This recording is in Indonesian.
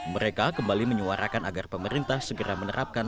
mereka kembali menyuarakan agar pemerintah segera menerapkan